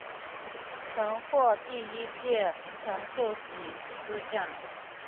曾获第一届陈秀喜诗奖。